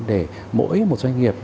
để mỗi một doanh nghiệp